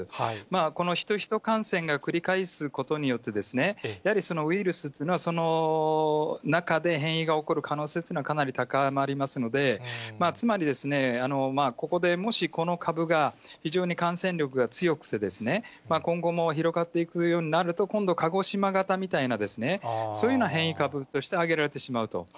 このヒト・ヒト感染が繰り返すことによって、やはりそのウイルスっていうのは、その中で変異が起こる可能性っていうのは、かなり高まりますので、つまり、ここでもしこの株が、非常に感染力が強くて、今後も広がっていくようになると、今度、鹿児島型みたいな、そういうような変異株として挙げられてしまうと。